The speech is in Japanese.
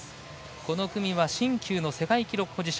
この組は新旧の世界記録保持者